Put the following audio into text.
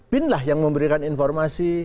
bin lah yang memberikan informasi